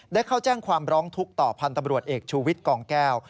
ได้เข้าแจ้งความร้องทุกข์ต่อพันธ์ตำรวจเอกชูวิทย์กองแก้ว